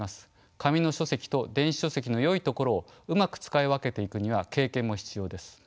紙の書籍と電子書籍のよいところをうまく使い分けていくには経験も必要です。